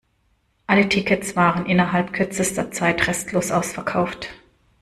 Alle Tickets waren innerhalb kürzester Zeit restlos ausverkauft.